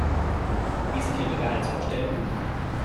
Wie sind Ihre Gehaltsvorstellungen?